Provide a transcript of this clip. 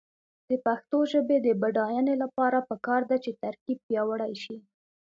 د پښتو ژبې د بډاینې لپاره پکار ده چې ترکیب پیاوړی شي.